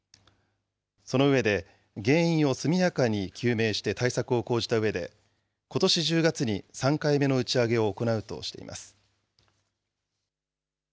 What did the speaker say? その上で、原因を速やかに究明して対策を講じたうえで、ことし１０月に３回目の打ち上げを行うとしています。